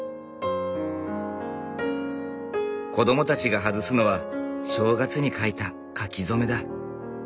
子どもたちが外すのは正月に書いた書き初めだ。